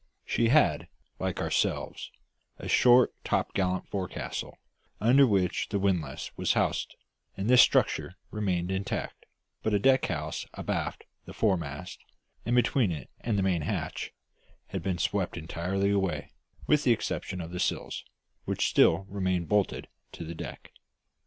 She had, like ourselves, a short topgallant forecastle, under which the windlass was housed, and this structure remained intact; but a deck house abaft the foremast, and between it and the main hatch, had been swept entirely away, with the exception of the sills, which still remained bolted to the deck.